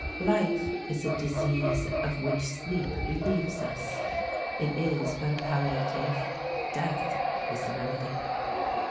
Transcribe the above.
"Life is a disease of which sleep relieves us ; it is but a palliative : death is the remedy."